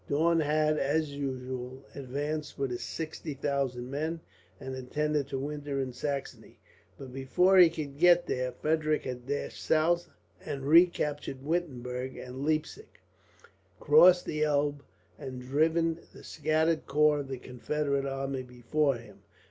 Daun had, as usual, advanced with his sixty thousand men, and intended to winter in Saxony; but before he could get there, Frederick had dashed south and recaptured Wittenberg and Leipzig, crossed the Elbe, and driven the scattered corps of the Confederate army before him.